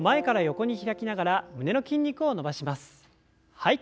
はい。